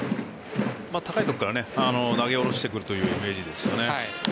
高いところから投げ下ろしてくるというイメージですよね。